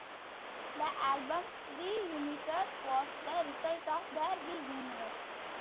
The album 'Reunited' was the result of their reunion.